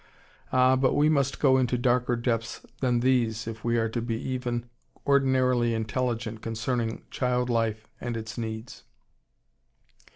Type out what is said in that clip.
Ah, but we must go into darker depths than these if we are to be even ordinarily intelligent concerning child life and its needs.